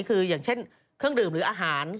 คืออย่างเช่นเครื่องดื่มหรืออาหาร